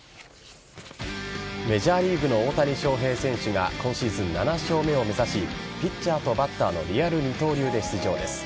メジャーリーグの大谷翔平選手が今シーズン７勝目を目指しピッチャーとバッターのリアル二刀流で出場です。